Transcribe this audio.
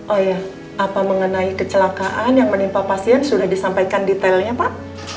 oh ya apa mengenai kecelakaan yang menimpa pasien sudah disampaikan detailnya pak